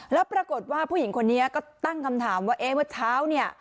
แล้วปรากฏว่าผู้หญิงคนนี้ก็ตั้งคำถามว่าเอ๊ะเมื่อเช้าเนี่ย